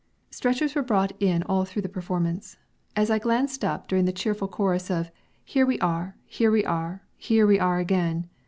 Stretchers were brought in all through the performance. As I glanced up during the cheerful chorus of "Here we are here we are here we are again!"